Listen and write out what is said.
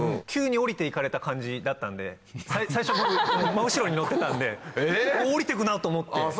急に降りて行かれた感じだったんで最初僕真後ろに乗ってたんで降りてくなぁと思って。